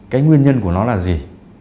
cái nguyên nhân của nó là gì